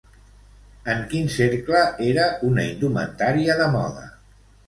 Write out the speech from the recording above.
En quin cercle era una indumentària de moda?